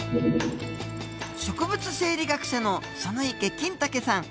植物生理学者の園池公毅さん。